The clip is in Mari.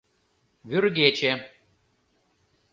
— Вӱргече.